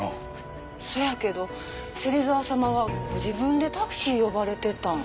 そやけど芹沢様はご自分でタクシー呼ばれてたん。